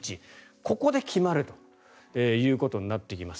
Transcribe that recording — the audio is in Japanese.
ここで決まるということになっています。